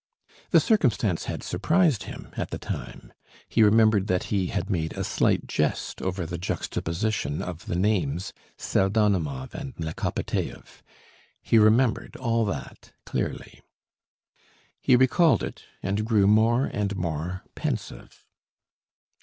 The circumstance had surprised him at the time; he remembered that he had made a slight jest over the juxtaposition of the names Pseldonimov and Mlekopitaev. He remembered all that clearly. He recalled it, and grew more and more pensive.